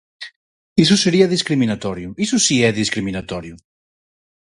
Iso sería discriminatorio, iso si é discriminatorio.